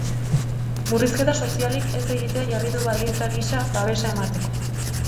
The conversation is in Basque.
Murrizketa sozialik ez egitea jarri du baldintza gisa babesa emateko.